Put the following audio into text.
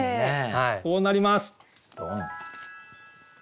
こうなります。